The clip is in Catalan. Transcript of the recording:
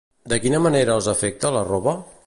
De quina manera els afecta a la roba?